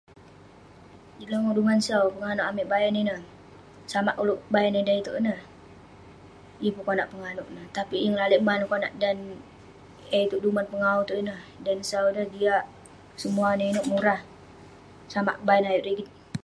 Jin lomah duman sau penganouk amik bayan ineh, samak ulouk bayan eh da itouk ineh..yeng pun konak penganouk neh..tapik yeng lalek man konak dan eh tong duman pengawu itouk ineh, dan sau, jiak..semua inouk inouk murah.. samak bayan ayuk rigit